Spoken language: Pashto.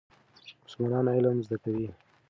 مسلمانان علم زده کوي.